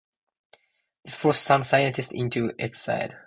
This forced some scientists into exile.